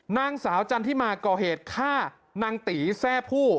นางสาวจันทิมาก่อเหตุฆ่านางตีแทร่ผู้